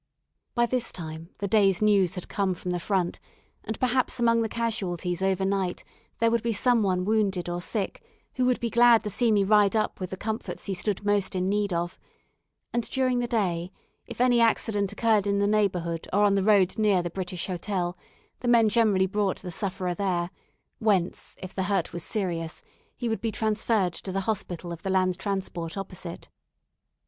By this time the day's news had come from the front, and perhaps among the casualties over night there would be some one wounded or sick, who would be glad to see me ride up with the comforts he stood most in need of; and during the day, if any accident occurred in the neighbourhood or on the road near the British Hotel, the men generally brought the sufferer there, whence, if the hurt was serious, he would be transferred to the hospital of the Land Transport opposite.